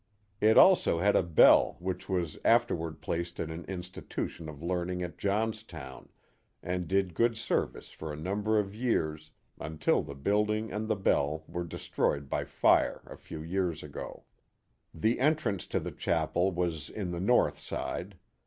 It also had a bell which was afterward placed in an institution of learning at Johnstown and did good service for a number of years uatil the building and the bell weie destroyed by fire a few years ago. The entrance to the chapel was in the north side.